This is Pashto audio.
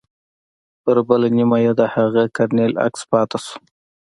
پر بله نيمه يې د هماغه کرنيل عکس پاته سو.